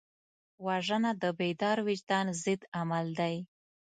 وژنه د بیدار وجدان ضد عمل دی